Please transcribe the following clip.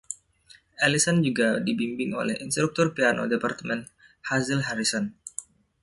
Ellison juga dibimbing oleh instruktur piano departemen, Hazel Harrison.